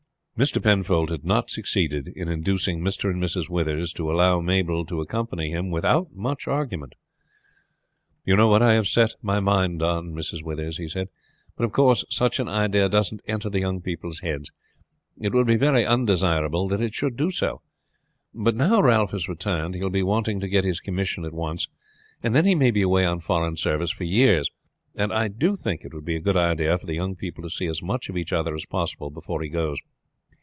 Mr. Penfold had not succeeded in inducing Mr. and Mrs. Withers to allow Mabel to accompany him without much argument. "You know what I have set my mind on, Mrs. Withers," he said. "But of course such an idea doesn't enter the young people's heads, it would be very undesirable that it should do. But now Ralph has returned he will be wanting to get his commission at once, and then he may be away on foreign service for years, and I do think it would be a good thing for the young people to see as much of each other as possible before he goes.